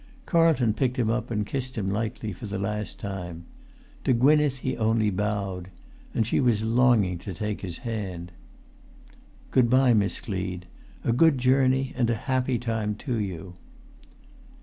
Carlton picked him up, and kissed him lightly for the last time. To Gwynneth he only bowed. And she was longing to take his hand. "Good bye, Miss Gleed; a good journey and a happy time to you."